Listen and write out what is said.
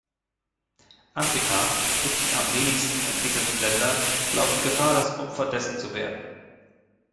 Afrika und die am wenigsten entwickelten Länder laufen Gefahr, das Opfer dessen zu werden.